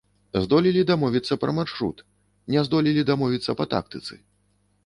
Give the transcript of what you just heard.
Здолелі дамовіцца пра маршрут, не здолелі дамовіцца па тактыцы.